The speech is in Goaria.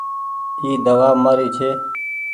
اي دوآ مآري ڇي۔